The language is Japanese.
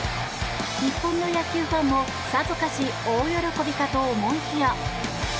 日本の野球ファンもさぞかし大喜びかと思いきや。